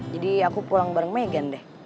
jadi aku pulang bareng megan deh